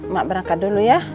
mak berangkat dulu ya